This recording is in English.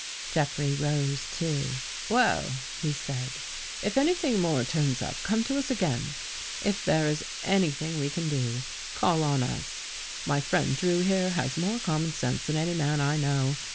Jeffrey rose, too. " Well," he said, " if anything more turns up, come to us again. If there is any thing we can do, call on us. My friend Drew, here, has more common sense than any man I know.